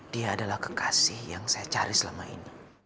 dia adalah kekasih yang saya cari selama ini